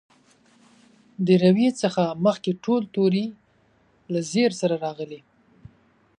د روي څخه مخکې ټول توري له زېر سره راغلي.